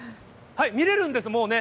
見れるんです、もうね。